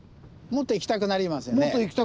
もっといきたくなりますね。